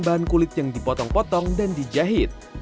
bahan kulit yang dipotong potong dan dijahit